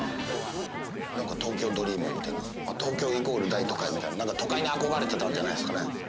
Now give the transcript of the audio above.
なんか東京ドリームみたいな、東京イコール大都会みたいな、都会に憧れてたんじゃないですか